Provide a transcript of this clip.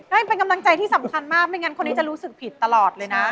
ให้เป็นกำลังใจที่สำคัญมากไม่งั้นคนนี้จะรู้สึกผิดตลอดเลยนะ